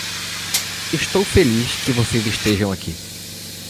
Estou feliz que vocês estejam aqui.